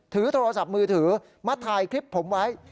ถือโทรศัพท์มือถือมาถ่ายคลิปผมไว้